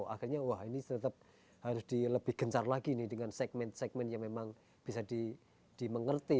akhirnya wah ini tetap harus dilebih gencar lagi nih dengan segmen segmen yang memang bisa dimengerti